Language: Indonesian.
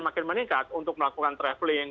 makin meningkat untuk melakukan traveling